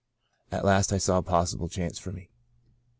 At last I saw a possible chance for me.